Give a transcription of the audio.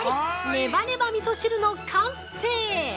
ネバネバみそ汁の完成！